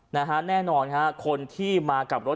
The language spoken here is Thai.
นะฮะแน่นอนคนที่มากับรถ